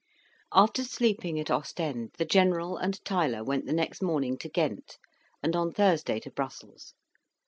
After sleeping at Ostend, the General and Tyler went the next morning to Ghent, and on Thursday to Brussels.